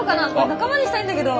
仲間にしたいんだけど。